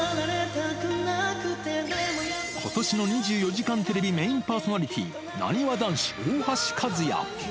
ことしの２４時間テレビメインパーソナリティー、なにわ男子・大橋和也。